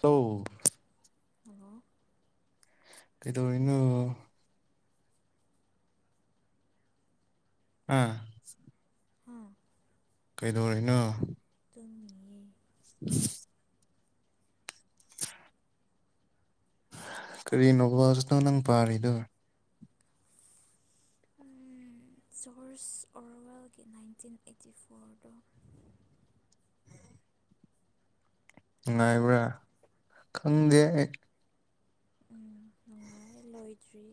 ꯍ ꯑꯂꯣ ꯀꯩꯗꯧ ꯏꯅ ꯑꯝ ꯍꯥꯝ ꯀꯩꯗꯧꯔꯦꯅ ꯇꯝ ꯃꯤꯌꯦ [inaudible] ꯀꯔꯤꯅꯣꯕꯥꯁꯅꯣ ꯅꯪ ꯄꯥꯔꯤꯗꯣ [inaudible] ꯖꯣꯔꯁ ꯑꯣꯔꯋꯦꯜꯒꯤ ꯅꯥꯏꯟꯇꯤꯟ ꯑꯩꯠꯇꯤ ꯐꯣꯔꯗꯣ ꯈꯪꯕ꯭ꯔꯥ ꯅꯨꯡꯉꯥꯏꯕ꯭ꯔꯥ ꯈꯪꯗꯦ ꯑꯩ ꯎꯝ ꯅꯨꯡꯉꯥꯏ ꯂꯣꯏꯗ꯭ꯔꯤ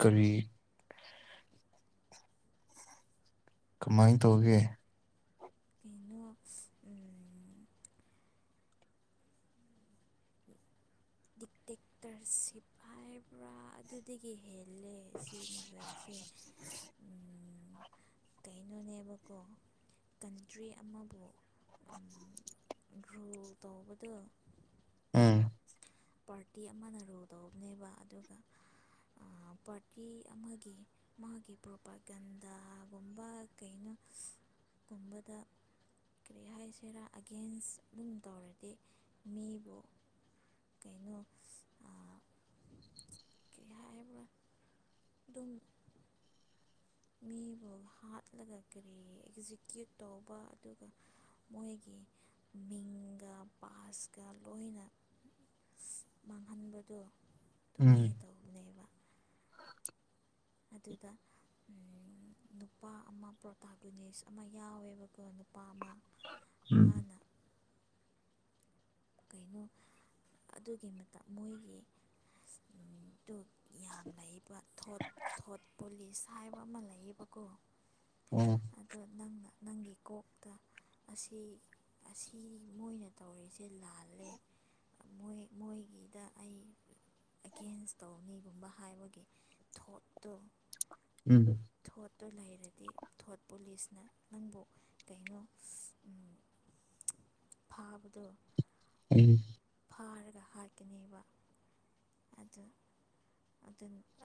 ꯀꯕꯤ ꯀꯃꯥꯏꯅ ꯇꯧꯒꯦ ꯑꯩꯅꯣ ꯗꯤꯛꯇꯦꯛꯇꯔ ꯁꯤꯄ ꯍꯥꯏꯕ꯭ꯔꯥ ꯑꯗꯨꯗꯒꯤ ꯍꯦꯟꯅ ꯂꯦ ꯁꯤ ꯅꯣꯕꯦꯜꯁꯦ ꯀꯩꯅꯣꯅꯦꯕꯀꯣ ꯀꯟꯇ꯭ꯔꯤ ꯑꯃꯕꯨ ꯔꯨ ꯇꯧꯕꯗꯣ ꯎꯝ ꯄꯥꯔꯇꯤ ꯑꯃꯅ ꯔꯣꯜ ꯇꯧꯕꯅꯦꯕ ꯑꯗꯨꯒ ꯄꯥꯔꯇꯤ ꯑꯃꯒꯤ ꯃꯥꯒꯤ ꯄ꯭ꯔꯣꯄꯥꯒꯟꯙꯒꯨꯝꯕ ꯀꯩꯅꯣ [inaudible] ꯀꯨꯝꯕꯗ ꯀꯔꯤ ꯍꯥꯏꯁꯤꯔꯥ ꯑꯒꯦꯟꯁ ꯑꯗꯨꯨꯝ ꯇꯧꯔꯗꯤ ꯃꯤꯕꯨ ꯀꯩꯅꯣ ꯇꯕ ꯑꯗꯨꯝ ꯃꯤꯕꯨ ꯍꯥꯠꯂꯒ ꯀꯔꯤ ꯑꯦꯛꯖꯤꯀ꯭ꯌꯨꯠ ꯇꯧꯕ ꯑꯗꯨꯒ ꯃꯣꯏꯒꯤ ꯃꯤꯡꯒ ꯄꯕꯥꯥꯁꯀ ꯂꯣꯏꯅ ꯃꯥꯡꯍꯟꯕꯗꯣ ꯎꯝ ꯑꯗꯨꯃꯥꯏꯅ ꯇꯧꯅꯦꯕ [inaudible] ꯑꯗꯨꯗ ꯅꯨꯄꯥ ꯑꯃ ꯄ꯭ꯔꯣꯇꯥꯒꯨꯅꯦꯁ ꯑꯃ ꯌꯥꯎꯋꯦꯕꯀꯣ ꯅꯨꯄꯥ ꯑꯃ ꯎꯝ ꯃꯥꯅ ꯀꯩꯅꯣ ꯑꯗꯨꯒꯤ ꯃꯣꯏꯒꯤ ꯌꯥꯝ ꯂꯩꯕ ꯊꯣꯠ ꯊꯣꯠ ꯄꯨꯣꯂꯤꯁ ꯍꯥꯏꯕ ꯑꯃ ꯂꯩꯌꯦꯕꯀꯣ ꯑꯗꯣ ꯅꯪꯅ ꯅꯪꯒꯤ ꯀꯣꯛꯇ ꯑꯁꯤ ꯑꯁꯤ ꯃꯣꯏꯅ ꯇꯧꯔꯤꯁꯦ ꯎ ꯑꯩꯒꯤꯗ ꯑꯩ ꯑꯦꯒꯦꯟꯁ ꯇꯧ ꯃꯤꯒꯨꯝꯕ ꯍꯥꯏꯕꯒꯤ ꯊꯣꯠꯇꯨ ꯎꯝ ꯊꯣꯠꯇꯨ ꯂꯩꯔꯗꯤ ꯊꯣꯠ ꯄꯨꯂꯤꯁꯅ ꯅꯪꯕꯨ ꯀꯩꯅꯣ [inaudible] ꯐꯚꯥꯞꯗ ꯎꯝ ꯐꯥꯔꯒ ꯍꯥꯠꯀꯅꯦꯕ ꯑꯗꯨ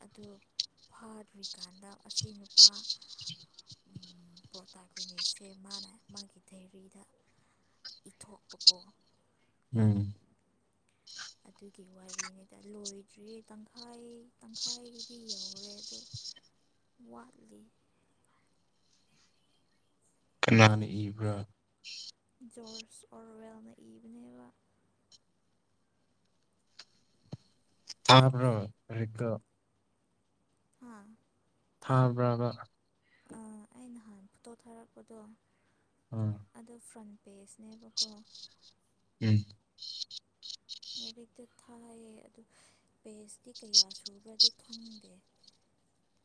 ꯑꯗꯨ ꯐꯥꯗ꯭ꯔꯤꯀꯥꯟꯗ ꯑꯁꯤ ꯅꯨꯄꯥ ꯄ꯭ꯔꯣꯇꯥꯛ ꯅꯦꯁꯦ ꯃꯥꯅ ꯃꯥꯒꯤ ꯗꯥꯦꯔꯤꯗ ꯏꯇꯞꯄꯀ ꯎꯝ ꯑꯗꯨꯒꯤ ꯋꯥꯔꯤꯅꯤꯗ ꯂꯣꯏꯗ꯭ꯔꯤꯌꯦ ꯇꯪꯈꯥꯏ ꯇꯪꯈꯥꯏꯒꯤꯗꯤ ꯌꯧꯔꯦ ꯑꯗꯣ ꯋꯥꯠꯂꯤ ꯀꯅꯥꯅ ꯏꯕ꯭ꯔꯥ ꯖꯣꯔꯁ ꯑꯣꯔꯋꯦꯜꯅ ꯏꯕꯅꯦꯕ ꯇ꯭ꯔꯣꯔꯤꯒ ꯍꯥꯥ ꯊꯥꯕ꯭ꯔꯥꯕ꯭ꯔꯥ ꯑꯩ ꯅꯍꯥꯟ ꯐꯣ ꯇꯣ ꯊꯥꯔꯛꯄꯗꯣ ꯎꯝ ꯑꯗꯨꯣ ꯐ꯭ꯔꯟ ꯄꯦꯁꯅꯦꯕꯀꯣ ꯎꯝ ꯂꯥꯏꯔꯤꯛꯇ ꯊꯥꯏꯌꯦ ꯑꯗꯨ ꯄꯦꯁꯇꯤ ꯀꯌꯥ ꯁꯨꯨꯔ꯭ꯔꯗꯤ ꯈꯪꯗꯦ [inaudible]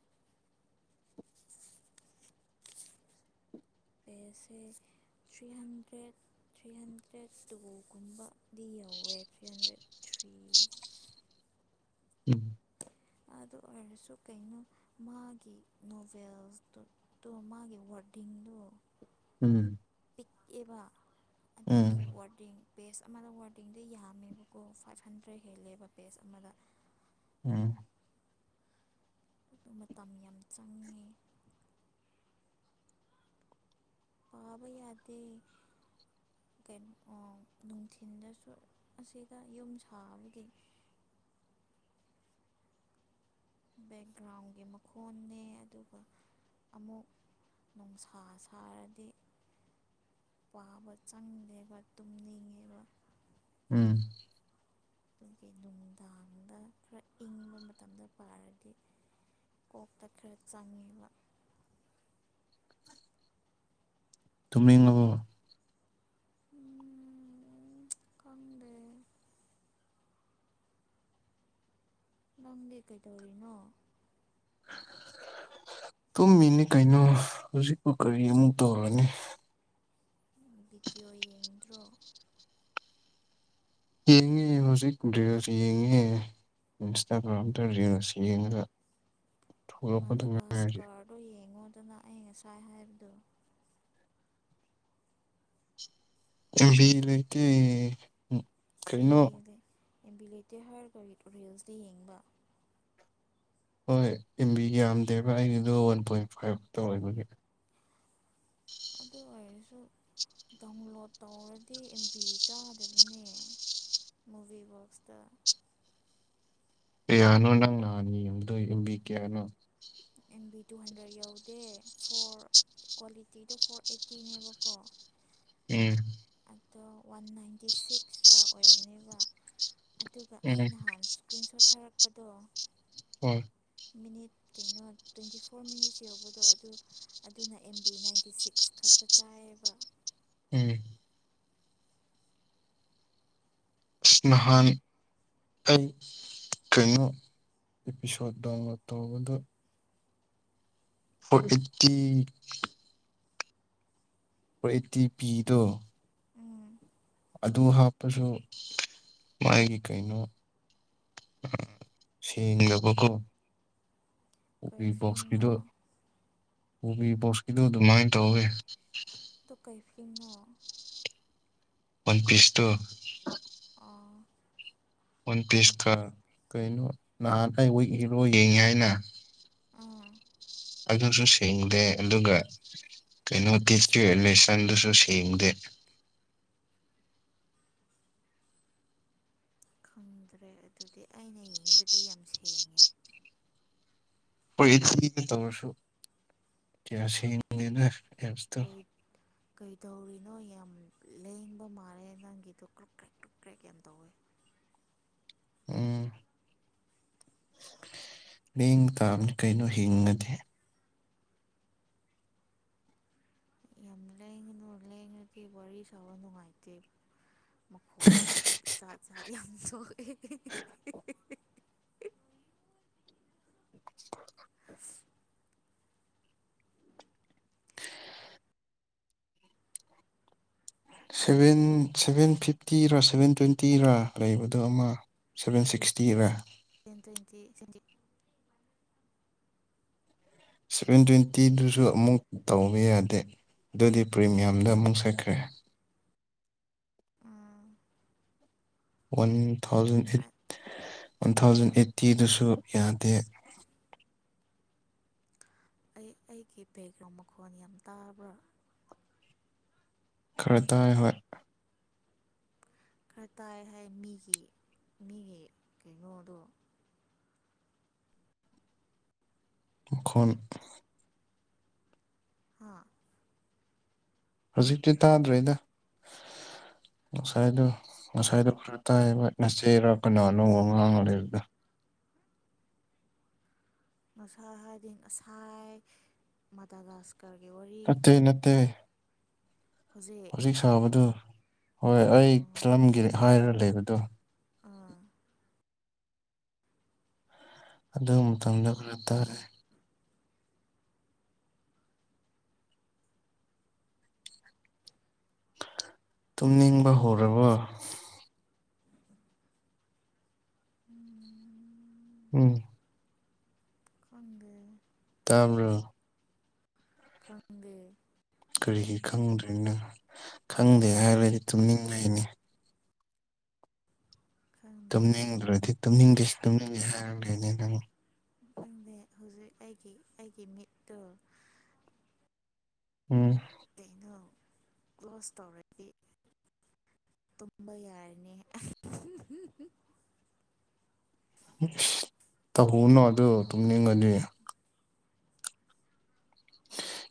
[inaudible] ꯁꯦ ꯊ꯭ꯔꯤ ꯍꯟꯗ꯭ꯔꯦꯠ ꯊ꯭ꯔꯤ ꯍꯟꯗ꯭ꯔꯦꯠ ꯇꯨꯒꯨꯝꯕꯗꯤ ꯌꯧꯋꯦ ꯊ꯭ꯔꯤ ꯍꯟꯗ꯭ꯔꯦꯠ ꯊ꯭ꯔꯤ [inaudible] ꯎꯝ ꯑꯗꯨ ꯑꯣꯏꯔꯁꯨ ꯀꯩꯅꯣ ꯃꯥꯒꯤ ꯅꯣꯚꯦꯜꯇꯣ ꯃꯥꯒꯤ ꯋꯥꯔ ꯑꯔꯇꯤꯡꯗ ꯎꯝ ꯄꯤꯛꯑꯕ ꯎꯝ ꯑꯗꯨꯒꯤ ꯋꯥꯔꯗꯤꯡ ꯄꯦꯖ ꯑꯃꯗ ꯋꯥꯔꯗꯤꯡꯗꯤ ꯌꯥꯝꯃꯦꯕꯀꯣ ꯐꯥꯏꯚ ꯍꯟꯗ꯭ꯔꯦꯗ ꯍꯦꯜꯂꯦꯕ ꯄꯦꯖ ꯑꯃꯗ ꯎꯝ ꯑꯗꯨ ꯃꯇꯝ ꯌꯥꯝ ꯆꯪꯉꯤ ꯄꯥꯕꯩ ꯌꯥꯗ ꯀꯩꯅꯣ ꯅꯨꯡꯊꯤꯜꯗꯁꯨ ꯑꯁꯤꯒ ꯌꯨꯝ ꯁꯥꯕꯒꯤ [inaudible] ꯕꯦꯛꯒ꯭ꯔꯥꯎꯟꯒꯤ ꯃꯈꯣꯟꯅꯦ ꯑꯗꯨꯒ ꯑꯃꯨꯛ ꯅꯨꯡꯁꯥ ꯁꯥꯔꯗꯤ ꯄꯥꯕ ꯆꯪꯗꯦꯕ ꯇꯨꯝꯅꯤꯡꯉꯦꯕ ꯎꯝ ꯑꯗꯨꯒꯤ ꯅꯨꯡꯗꯥꯡꯗ ꯈꯔ ꯏꯪꯕ ꯃꯇꯝꯗ ꯄꯥꯔꯗꯤ ꯀꯐ ꯇ ꯈꯔ ꯆꯥꯃꯤꯕ ꯇꯨꯝꯅꯤꯡꯉꯥꯕꯣ ꯎꯝ ꯈꯪꯗꯦ ꯅꯪꯗꯤ ꯀꯩꯗꯧꯔꯤꯅꯣ [inaudible] [unintelligible] ꯇꯨꯝꯃꯤꯅꯤ ꯀꯩꯅꯣ ꯍꯧ ꯖꯤꯛꯄꯨ ꯀꯔꯤ ꯑꯃꯨꯛ ꯇꯧꯔꯅꯤ ꯚꯤꯗꯤꯑꯣ ꯌꯦꯡꯗ꯭ꯔꯣ ꯌꯦꯡꯉꯦ ꯍꯧꯖꯤꯛ ꯔꯤꯜꯁ ꯌꯦꯡꯉꯦ ꯏꯟꯁꯇꯥꯒ꯭ꯔꯥꯝꯗ ꯔ ꯔꯤꯜꯁ ꯌꯦꯡꯉꯒ ꯊꯣꯛꯂꯛꯄꯗ ꯃꯥꯗꯒꯁ ꯉꯥꯏꯔꯤ ꯀꯥꯔꯗꯣ ꯌꯦꯡꯉꯣꯗꯅ ꯑꯩ ꯉꯁꯥꯏ ꯍꯥꯏꯕꯗꯣ ꯕꯤ ꯂꯩ [inaudible] ꯁꯤ ꯑꯦꯝ ꯕꯤ ꯑꯦꯝ ꯕꯤ ꯂꯩꯇꯦ ꯍꯥꯏꯔꯒ ꯔꯤꯜꯁꯇ ꯌꯦꯡꯕ ꯍꯣꯏ ꯏꯦꯝꯕꯤ ꯌꯥꯝꯗꯦꯕ ꯑꯩꯒꯤꯗꯣ ꯋꯥꯟ ꯄꯣꯏꯟ ꯐꯥꯏꯚ ꯈꯇ ꯑꯣꯏꯕꯒꯤ ꯑꯗꯨ ꯑꯣꯏꯔꯁꯨ ꯗꯗꯥꯎꯟꯂꯣꯗ ꯇꯧꯔꯗꯤ ꯑꯦꯝꯕꯤ ꯆꯥꯗꯕꯅꯦ ꯃꯨꯚꯤꯕꯣꯛꯁꯇ ꯀꯌꯥꯅꯣ ꯅꯪ ꯅꯍꯥꯟꯅꯤ ꯌꯨꯝꯗ ꯌꯨꯝꯕꯤ ꯀꯌꯥꯅꯣ ꯑꯦꯝ ꯕꯤ ꯇꯨ ꯍꯟꯗ꯭ꯔꯦꯗ ꯌꯧꯗꯦ ꯐꯣꯔ ꯀ꯭ꯋꯥꯂꯤꯇꯤꯗꯣ ꯐꯣꯔ ꯑꯦꯠꯇꯤꯅꯦꯕꯀꯣ ꯎꯝ ꯑꯗꯣ ꯋꯥꯟ ꯅꯥꯏꯟꯇꯤ ꯁꯤꯛꯁꯇ꯭ꯔꯥ ꯑꯣꯏꯕꯅꯦꯕ ꯑꯗꯨꯒ ꯎꯝ ꯑꯩ ꯅꯍꯥꯟ ꯏꯁꯀ꯭ꯔꯤꯟ ꯁꯣꯠ ꯊꯥꯔꯛꯄꯗꯣ ꯍꯣꯏ ꯃꯤꯅꯤꯠ ꯀꯩꯅꯣ ꯇ꯭ꯋꯦꯟꯇꯤ ꯐꯣꯔ ꯃꯤꯅꯤꯠꯁ ꯌꯧꯕꯗꯣ ꯑꯗꯨ ꯑꯗꯨꯅ ꯑꯦꯝ ꯕꯤ ꯅꯥꯏꯟꯇꯤ ꯁꯤꯛꯁ ꯈꯛ ꯆꯥꯏꯕ ꯎꯝ ꯏꯁꯅꯍꯥꯟ ꯑꯩ ꯀꯩꯅꯣ ꯑꯦꯄꯤꯁꯣꯠ ꯗꯥꯎꯟꯂꯣꯠ ꯇꯧꯕꯗ ꯐꯣꯔ ꯑꯩꯠꯇꯤ ꯄ ꯇꯤ ꯄꯤꯗꯣ ꯎꯝ ꯑꯗꯨ ꯍꯥꯞꯄꯁꯨ ꯃꯥꯒꯤ ꯀꯩꯅꯣ ꯁꯦꯡꯂꯕꯒꯨꯝ ꯀꯕꯤ ꯀꯩ ꯐꯤꯂꯝꯅꯣ ꯄꯁꯀꯤꯗꯣ ꯀꯕꯤ ꯄꯣꯛꯁꯀꯤꯗ ꯑꯗꯨꯃꯥꯏ ꯇꯧ ꯇ ꯀꯩꯐꯅꯣ ꯄꯟꯆꯤꯁ ꯇ ꯑꯥ ꯑꯣꯟ ꯋꯥꯟ ꯄꯤꯁꯀ ꯀꯩꯅꯣ ꯅꯍꯥꯟꯗ ꯑꯩ ꯋꯤꯛ ꯏꯔꯣ ꯌꯦꯡꯉꯤ ꯍꯥꯏꯅ ꯑꯥ ꯑꯗꯨꯁꯨ ꯁꯦꯡꯗꯦ ꯀꯩꯅꯣ ꯇꯗꯤꯁꯇꯀꯤ ꯔꯤꯂꯦꯁꯟꯗꯨꯁꯨ ꯁꯦꯡꯗꯦ ꯈꯪꯗ꯭ꯔꯦ ꯑꯗꯨꯗꯤ ꯑꯩꯅ ꯌꯦꯡꯕꯗꯤ ꯌꯥꯝ ꯁꯦꯡꯉꯦ ꯍꯣꯏ ꯇꯧꯔꯁꯨ ꯀꯌꯥ ꯁꯦꯡꯉꯦꯅ ꯀꯩ ꯇꯧꯔꯤ ꯅꯣꯏ ꯌꯥꯝ ꯂꯦꯡꯕ ꯃꯥꯜꯂꯦ ꯅꯪꯒꯤꯗꯣ ꯀ꯭ꯔꯛ ꯀ꯭ꯔꯦꯛ ꯀ꯭ꯔꯛ ꯀ꯭ꯔꯦꯛ ꯌꯥꯝ ꯇꯧꯋꯦ ꯎꯝ ꯂꯦꯡ ꯇꯥꯝꯅꯤ ꯀꯩꯅꯣ ꯍꯤꯡꯉꯗꯦ ꯌꯥꯝ ꯂꯩ ꯂꯦꯉꯗꯤ ꯋꯥꯔꯤ ꯁꯥꯟꯅꯕ ꯅꯨꯡꯉꯥꯏꯇꯦ [unintelligible] ꯆꯔꯤ ꯌꯥꯝꯁꯨ ꯁꯦꯚꯦꯟ ꯁꯦꯚꯦꯟ ꯐꯤꯐꯇꯤꯔꯥ ꯁꯚꯦꯟ ꯇ꯭ꯋꯦꯟꯇꯤꯔꯥ ꯂꯩꯕꯗꯣ ꯑꯃ ꯁꯚꯦꯟ ꯁꯤꯛꯁꯇꯤ ꯑꯣꯏꯅ ꯇꯌꯦꯟꯇꯤ ꯁꯖꯤ ꯁꯚꯦꯟ ꯇ꯭ꯋꯦꯟꯇꯤꯗꯨꯁꯨ ꯑꯃꯨꯛ ꯇꯧꯕ ꯌꯥꯗꯦ ꯑꯗꯨꯗꯤ ꯄ꯭ꯔꯤꯃꯤꯌꯝꯗ ꯑꯃꯨꯛ ꯁꯠꯈ꯭ꯔꯦ ꯎꯝ one thousand eight one thousand ꯑꯦꯠꯇꯤꯗꯨꯁꯨ ꯌꯥꯗꯦ ꯑꯩ ꯑꯩꯒꯤ ꯕꯦꯛꯒ꯭ꯔꯥꯎꯟ ꯃꯈꯣꯟ ꯌꯥꯝ ꯇꯥꯕ꯭ꯔꯥ ꯈꯔꯗꯥꯥꯏ ꯍꯣꯏ ꯈꯔ ꯇꯥꯏ ꯍꯥꯏ ꯃꯤꯒꯤ ꯃꯤꯒꯤ ꯀꯩꯅꯣꯗꯣ ꯈ ꯍꯥ ꯍꯧꯖꯤꯛꯇꯤ ꯇꯥꯗ꯭ꯔꯦꯗ ꯉꯁꯥꯏꯗꯣ ꯉꯁꯥꯏꯗꯣ ꯈꯔ ꯇꯥꯏꯕ ꯅꯆꯦꯔ ꯀꯅ ꯑꯅꯧꯕ ꯉꯥꯡꯉꯕꯗ ꯅꯁꯥ ꯍꯥꯏꯗꯤꯡ ꯉꯁꯥꯏ ꯃꯗꯥꯗꯥꯁ ꯀꯔꯒꯤ ꯋꯥꯔꯤ ꯅꯠꯇꯦ ꯅꯠꯇꯦ ꯍꯧꯖꯤꯛ ꯁꯥꯕꯗꯨ ꯍꯣꯏ ꯑꯩ ꯑꯣ ꯐꯤꯂꯝꯒꯤ ꯍꯥꯏꯔ ꯂꯩꯕꯗꯣ ꯑꯥ ꯑꯗꯨ ꯃꯇꯨꯡꯗ ꯈꯔ ꯇꯥꯔꯦ ꯇꯨꯝꯅꯤꯡꯕ ꯍꯧꯔꯕꯣ ꯎꯝ ꯎꯝ ꯈꯪꯗ ꯇꯥꯃꯔꯨ ꯈꯪꯗꯦ ꯀꯔꯤꯒꯤ ꯈꯪꯗ꯭ꯣꯏꯅꯣ ꯈꯪꯗꯦ ꯍꯥꯏꯔꯗꯤ ꯇꯨꯝꯅꯤꯡ ꯂꯩꯅꯤ ꯈꯪꯗꯦ ꯇꯨꯝꯅꯤꯡꯗ꯭ꯔꯗꯤ ꯇꯨꯝꯅꯤꯡꯗꯦꯁꯨ ꯇꯨꯝꯅꯤꯡꯉꯦ ꯍꯥꯏꯔ ꯂꯩꯅꯦ ꯑꯗꯨꯪ ꯈꯪꯗ ꯍꯧꯖꯤꯛ ꯑꯩꯒꯤ ꯑꯩꯒꯤ ꯃꯤꯠꯇꯣ ꯎꯝ ꯀꯩꯅꯣ ꯀ꯭ꯂꯣꯁ ꯇꯧꯔꯗꯤ ꯇꯨꯝꯕ ꯌꯥꯔꯅꯤ ꯇꯧꯍꯨꯅꯨ ꯑꯗꯨ ꯇꯨꯝꯅꯤꯡꯉꯅꯤ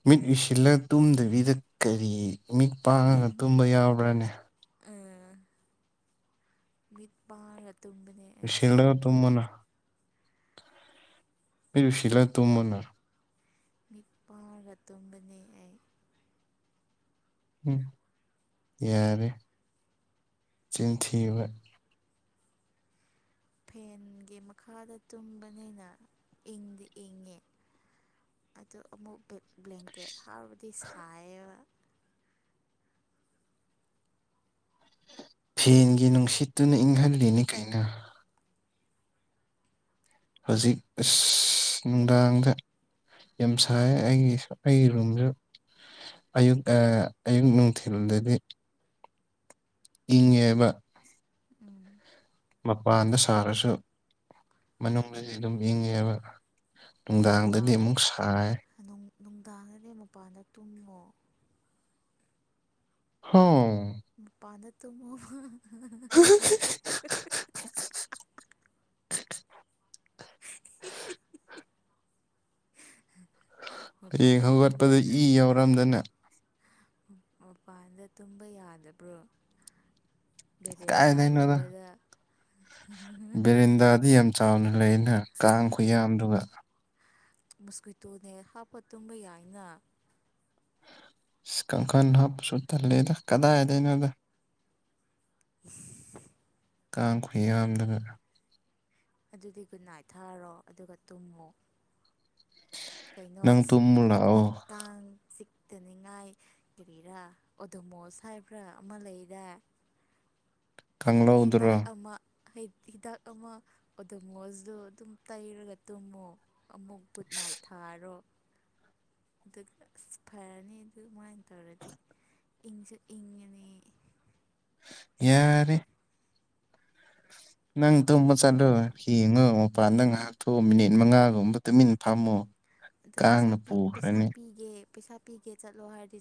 ꯃꯤꯠ ꯎꯨꯏꯁꯤꯜꯂꯒ ꯇꯨꯝꯗꯕꯤꯗ ꯀꯔꯤ ꯃꯤꯛ ꯄꯥꯡꯉꯒ ꯇꯨꯝꯕ ꯌꯥꯎꯕ꯭ꯔꯅꯤ ꯎ ꯃꯤꯠ ꯄꯥꯡꯂ ꯇꯨꯝꯃꯤ ꯁꯤꯜꯒ ꯇꯨꯃꯅ ꯃꯤꯔ ꯁꯤꯜꯂꯥ ꯇꯨꯝꯃꯅ ꯃꯤ ꯄ ꯔꯇꯣꯡꯒꯅꯤꯥꯏ ꯎꯝ ꯌꯥꯔꯦ ꯆꯤꯟꯊꯤꯕ ꯐꯦꯟꯒꯤ ꯃꯈꯥꯗ ꯇꯨꯝꯕꯅꯤꯅ ꯏꯪꯗꯤ ꯏꯪꯉꯦ ꯑ ꯑꯃꯨꯛ ꯕ꯭ꯂꯦꯡꯀꯦꯠ ꯍꯥꯎꯕꯗꯤ ꯁꯥꯏꯌꯦꯕ ꯐꯦꯟꯒꯤ ꯅꯨꯡꯁꯤꯠꯇꯨꯅ ꯏꯪꯍꯜꯂꯤꯅꯤ ꯀꯩꯅ ꯍꯧꯖꯤꯛ ꯑ ꯅꯨꯡꯗꯥꯡꯗ ꯌꯥꯝ ꯁꯥꯏ ꯑꯩꯒꯤ ꯑꯩꯒꯤ ꯔꯨꯝꯁꯨ ꯑꯌꯨꯛ ꯑꯌꯨꯛ ꯅꯨꯡꯊꯤꯜꯗꯗꯤ ꯏꯉꯦꯕ ꯎꯝ ꯃꯄꯥꯟꯗ ꯁꯥꯔꯁꯨ ꯃꯅꯨꯡꯗꯗꯤ ꯑꯗꯨꯝ ꯏꯪꯉꯦꯕ ꯑꯗꯨ ꯅꯨꯡꯗꯥꯡꯗꯗꯤ ꯃꯄꯥꯟ ꯑꯃꯨꯛ ꯁꯥꯏ ꯅꯨꯡꯗꯥꯡꯗꯗꯤ ꯃꯄꯥꯟꯗ ꯇꯨꯝꯃꯣ ꯍ ꯄꯅ ꯇ ꯃ ꯍ ꯍꯌꯦꯡ ꯃꯄꯥꯟꯗ ꯇꯨꯝꯕ ꯍꯧꯒꯠꯄꯗ ꯏ ꯌꯥꯎꯔꯝꯗꯅꯦ ꯃꯄꯥꯟꯗ ꯇꯨꯝꯕ ꯌꯥꯗꯕ꯭ꯔꯣ ꯕꯦꯔꯦꯟꯗꯥꯒꯨꯝꯕꯗ ꯕꯦꯔꯤꯟꯗꯥꯗꯤ ꯌꯥꯝ ꯆꯥꯎꯅ ꯂꯩꯅ ꯀꯥꯡ ꯈꯨꯌꯥꯗꯨ ꯃꯣꯁꯀ꯭ꯋꯇꯣꯅꯦ ꯍꯥꯞꯄ ꯇꯨꯝꯕ ꯌꯥꯏꯅ ꯀꯥꯡꯈꯜ ꯍꯥꯞꯄꯁꯨ ꯇꯜꯂꯦꯗ ꯀꯗꯥꯏꯗꯩꯅꯣꯗ [inaudible] ꯀꯥꯡꯈꯨꯏ ꯌꯥꯝꯗꯕꯅ ꯑꯗꯨꯗꯤ ꯟ ꯅꯥꯏꯊꯥꯔꯣ ꯑꯗꯨꯒ ꯇꯨꯝꯃꯨ ꯀꯩꯅꯣ ꯅꯪ ꯇꯨꯝꯃꯨ ꯂꯥꯛꯑꯣ ꯇꯥꯡ ꯇꯅꯤꯡꯉꯥꯏ ꯀꯔꯤꯔꯥ ꯑꯣꯗꯃꯣꯁ ꯍꯥꯏꯕ꯭ꯔꯥ ꯑꯃ ꯂꯩꯔꯦ ꯍꯤꯗꯥꯛ ꯀꯥꯡꯂꯧꯗꯨꯔꯣ ꯑꯃ ꯍꯤꯗꯥꯛ ꯑꯃ ꯑꯣꯗꯃꯣꯖꯗꯣ ꯑꯗꯨꯝ ꯇꯩꯔꯒ ꯇꯨꯝꯃꯣ ꯑꯃꯨꯛ ꯒꯨꯗ ꯅꯥꯏꯠ ꯊꯥꯔꯣ ꯎ ꯑꯗꯨꯒ ꯑꯁ ꯐꯔꯅꯤ ꯑꯗꯨꯃꯥꯏꯅ ꯇꯧꯔꯗꯤ ꯁꯨ ꯃꯅꯤ ꯌꯥꯉꯔꯦ ꯅꯪ ꯇꯨꯝꯕ ꯆꯠꯂꯣ ꯌꯦꯡꯉꯣ ꯃꯄꯥꯟ ꯅꯪ ꯉꯥꯏꯍꯥꯛꯇꯣꯛꯑꯣ ꯃꯤꯅꯤꯠ ꯃꯉꯥꯒꯨꯝꯕ ꯇꯨꯃꯤꯟꯅ ꯐꯝꯃꯣ ꯑꯗ ꯄꯩꯁꯥ ꯀꯥꯡꯅ ꯄꯩꯁꯥ ꯄꯨꯈ꯭ꯔꯅꯤ ꯄꯤꯒꯦ ꯄꯩꯁꯥ ꯄꯤꯒꯦ ꯆꯠꯂꯣ ꯍꯥꯏꯔꯗꯤ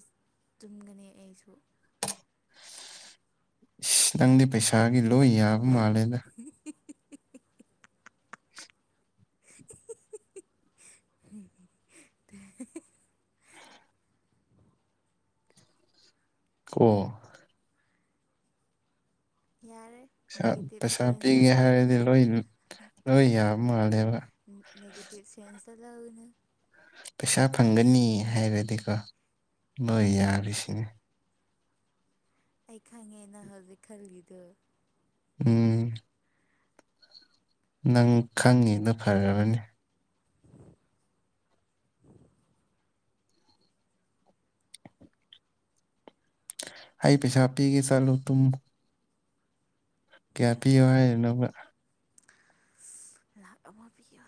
ꯆꯨꯝꯒꯅꯤ ꯑꯩꯁꯨ ꯏꯁ ꯅꯪꯗꯤ ꯄꯩꯁꯥꯒꯤ ꯂꯣꯏ ꯌꯥꯕ ꯃꯥꯜꯂꯦꯗ ꯇ ꯑꯣ ꯌꯥꯔꯦ ꯄꯩꯁꯥ ꯅꯦꯒꯦꯇꯤꯞ ꯄꯩꯁꯥ ꯄꯤꯒꯦ ꯁꯦꯟꯁꯇ ꯂꯧꯒꯅꯨ ꯍꯥꯏꯔꯗꯤ ꯂꯣꯏ ꯂꯣꯏ ꯌꯥꯕ ꯃꯥꯜꯂꯦꯕ ꯅꯦꯒꯇ ꯁꯦꯟꯁ ꯑꯂꯎꯅꯦ ꯄꯩꯁꯥ ꯐꯪꯒꯅꯤ ꯍꯥꯏꯔꯗꯤꯀꯣ ꯂꯣꯏ ꯌꯥꯔꯤꯁꯤꯅꯦ ꯑꯩ ꯈꯪꯉꯦꯅ ꯍꯧꯖꯤꯛ ꯈꯜꯂꯤꯗ ꯎꯝ ꯅꯪ ꯈꯪꯉꯦꯅ ꯐꯔꯕꯅꯤ ꯑꯩ ꯄꯩꯁꯥ ꯄꯤꯒꯦ ꯆꯜꯂꯨ ꯇꯨꯝ ꯀꯌꯥ ꯄꯤꯌꯣ ꯍꯥꯏꯔꯤ ꯅꯪꯅ ꯂꯥꯛ ꯑꯃ ꯄꯌꯥ